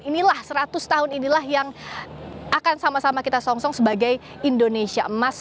inilah seratus tahun inilah yang akan sama sama kita song song sebagai indonesia emas